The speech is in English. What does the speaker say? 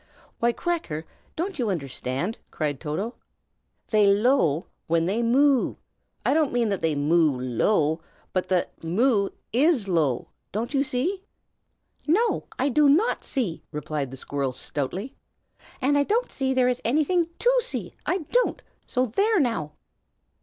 "Why, Cracker, can't you understand?" cried Toto. "They low when they moo! I don't mean that they moo low, but 'moo' is 'low,' don't you see?" "No, I do not see!" replied the squirrel, stoutly. "And I don't believe there is anything to see, I don't. So there, now!"